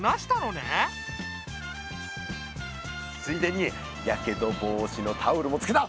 ついでにやけど防止のタオルもつけた！